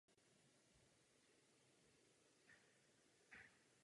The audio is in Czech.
Plánuje se zhotovení kopie a její osazení na původní místo.